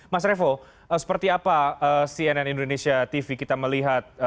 mas revo seperti apa cnn indonesia tv kita melihat